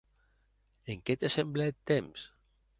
E qué te semble eth temps?